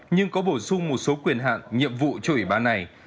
nhưng có bổ sung một số quyền hạn nhiệm vụ cho ủy ban này